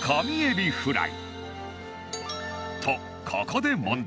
とここで問題。